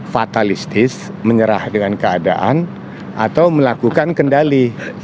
fatalistis menyerah dengan keadaan atau melakukan kendali